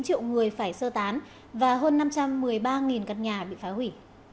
hai chín triệu người phải sơ tán và hơn năm trăm một mươi ba căn nhà bị phá hủy